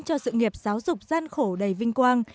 cho sự nghiệp giáo dục gian khổ đầy vinh quang